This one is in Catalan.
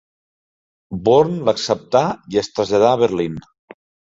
Born l'acceptà i es traslladà a Berlín.